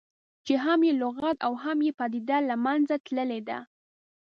چې هم یې لغت او هم یې پدیده له منځه تللې ده.